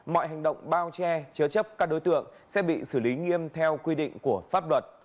mọi hành động bao che chứa chấp các đối tượng sẽ bị xử lý nghiêm theo quy định của pháp luật